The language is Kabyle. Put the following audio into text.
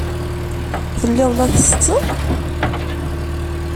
Telliḍ la tsetteḍ?